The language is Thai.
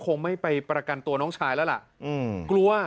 เธอคงไม่ไปประกันตัวน้องชายแล้วล่ะ